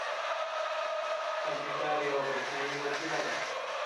کمپیوټر یوه بریښنايې وسیله ده.